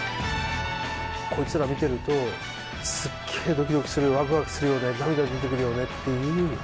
こいつら見てるとすげえドキドキするワクワクするよね涙出てくるよねっていう。